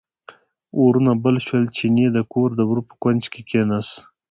اورونه بل شول، چیني د کور د وره په کونج کې کیناست.